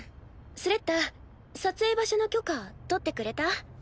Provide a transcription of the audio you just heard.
スレッタ撮影場所の許可取ってくれた？